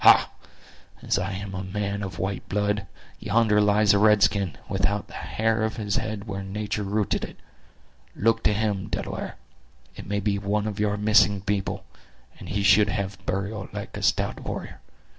Ha—as I am a man of white blood, yonder lies a red skin, without the hair of his head where nature rooted it! Look to him, Delaware; it may be one of your missing people; and he should have burial like a stout warrior.